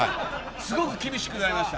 すごく厳しくやりました。